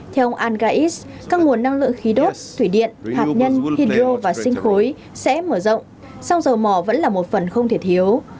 theo ông anga is các nguồn năng lượng khí đốt thủy điện hạt nhân hydro và sinh khối sẽ mở rộng song dầu mỏ vẫn là một phần không thể thiếu